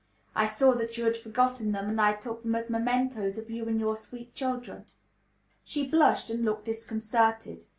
"I saw that you had forgotten them, and I took them as mementoes of you and your sweet children." She blushed and looked disconcerted.